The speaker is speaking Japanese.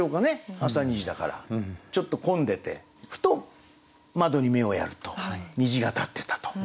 ちょっと混んでてふと窓に目をやると虹が立ってたと。